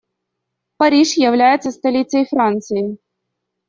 Париж является столицей Франции.